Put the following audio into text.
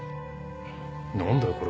何だよこれは。